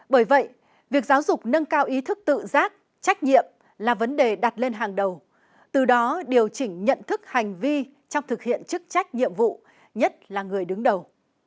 bởi vậy việc giáo dục nâng cao ý thức tự giác trách nhiệm là vấn đề đặt lên hàng đầu từ đó điều chỉnh nhận thức hành vi trong thực hiện chức trách nhiệm vụ nhất là người đứng đầu